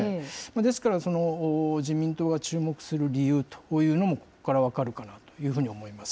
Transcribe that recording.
ですから自民党が注目する理由というのも、ここから分かるかなというふうに思います。